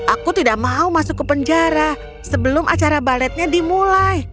aku tidak mau masuk ke penjara sebelum acara baletnya dimulai